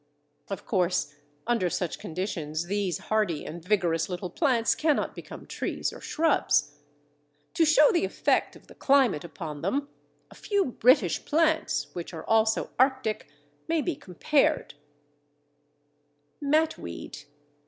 Of course, under such conditions, these hardy and vigorous little plants cannot become trees or shrubs. To show the effect of the climate upon them, a few British plants which are also Arctic may be compared.